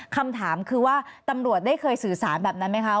คำถามคือว่าตำรวจได้เคยสื่อสารแบบนั้นไหมคะ